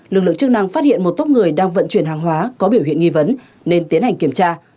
lực lượng chức năng phát hiện một tốc người đang vận chuyển hàng hóa có biểu hiện nghi vấn nên tiến hành kiểm tra